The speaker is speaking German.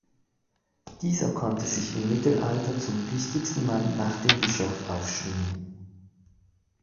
Dieser konnte sich im Mittelalter zum wichtigsten Mann nach dem Bischof aufschwingen.